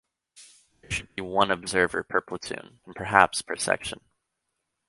There should be one observer per platoon, and, perhaps, per section.